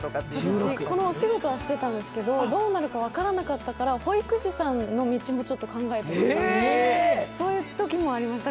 私、このお仕事をしてたんですけど、どうなるか分からなかったので保育士さんの道もちょっと考えてた、そういうときもありました。